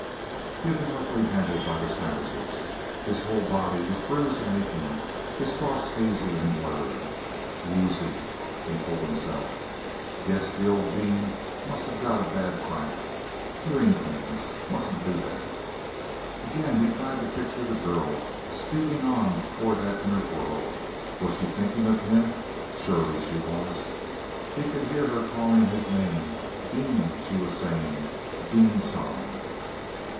He had been roughly handled by the savages. His whole body was bruised and aching, his thoughts hazy and blurred. "Woozy," he told himself. "Guess the old bean must have got a bad crack. Hearing things—mustn't do that." Again he tried to picture the girl, speeding on toward that inner world. Was she thinking of him? Surely she was. He could hear her calling his name. "Dean," she was saying. "Dean San."